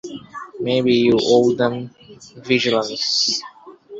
Maybe you owe them vigilance.